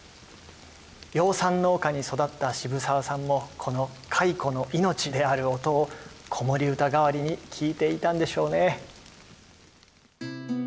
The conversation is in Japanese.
養蚕農家に育った渋沢さんもこの蚕の命である音を子守歌代わりに聞いていたんでしょうね。